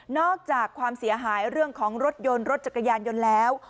อกจากความเสียหายเรื่องของรถยนต์รถจักรยานยนต์แล้ว